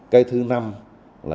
cái thứ ba